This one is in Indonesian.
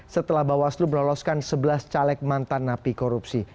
setelah bawaslu meloloskan sebelas caleg mantan napi korupsi